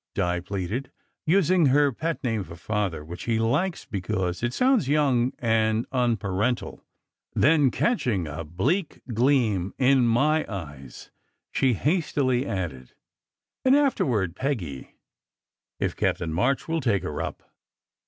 Di pleaded, using her pet name for Father, which he likes because it sounds young and unparental. Then catching a bleak gleam in my eyes, she hastily added: "And after ward Peggy, if Captain March will take her up."